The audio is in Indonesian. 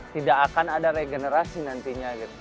tidak akan ada regenerasi nantinya